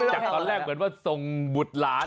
จากตอนแรกเหมือนว่าส่งบุตรหลาน